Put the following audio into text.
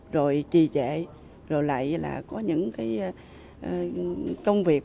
rồi trì trệ rồi lại là có những cái công việc